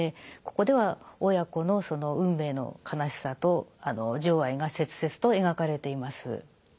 ここでは親子のその運命の悲しさと情愛が切々と描かれています。